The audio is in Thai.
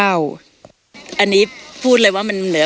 อันนี้พูดเลยว่ามันเหลือ